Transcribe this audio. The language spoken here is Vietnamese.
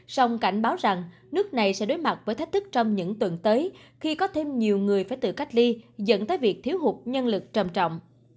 song cảnh báo rằng nước này sẽ đối mặt với thách thức trong những tuần tới khi có thêm nhiều người phải tự cách ly dẫn tới việc thiếu hụt nhân lực trầm trọng